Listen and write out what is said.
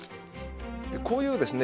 こういうですね